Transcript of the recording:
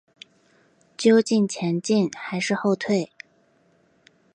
究竟前进还是后退？